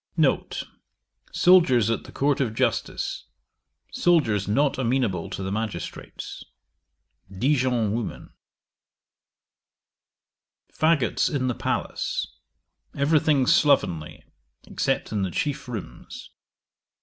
N. Soldiers at the court of justice. Soldiers not amenable to the magistrates. Dijon woman. 'Faggots in the palace. Every thing slovenly, except in the chief rooms.